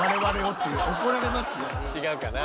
違うかな？